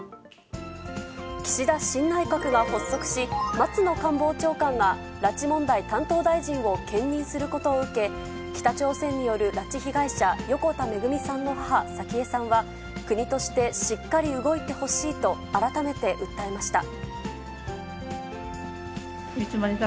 岸田新内閣が発足し、松野官房長官が拉致問題担当大臣を兼任することを受け、北朝鮮による拉致被害者、横田めぐみさんの母、早紀江さんは、国としてしっかり動いてほしいと、改めて訴えました。